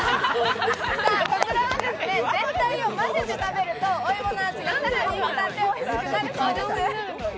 こちらは全体を混ぜて食べると、お芋の味が更に勝って、おいしくなるそうです。